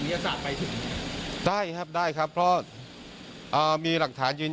มันพออภิตได้ไหมครับว่านิติวิทยาศาสตร์ไปถึง